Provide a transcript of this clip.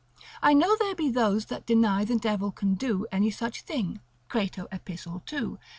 I know there be those that deny the devil can do any such thing (Crato epist. 2. lib. med.)